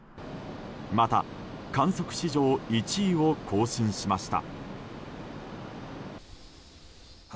また、観測史上１位を更新しました。